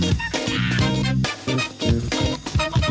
ข้าวใส่ไทยสอบกว่าใครใหม่กว่าเดิมค่อยเมื่อล่า